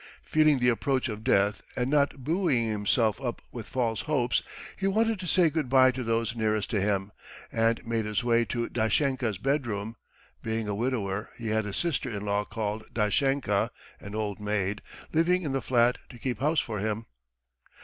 Feeling the approach of death and not buoying himself up with false hopes, he wanted to say good bye to those nearest to him, and made his way to Dashenka's bedroom (being a widower he had his sister in law called Dashenka, an old maid, living in the flat to keep house for him).